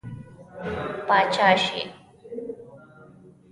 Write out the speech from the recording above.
پاچا شي.